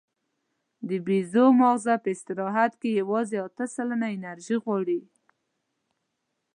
د بیزو ماغزه په استراحت کې یواځې اته سلنه انرژي غواړي.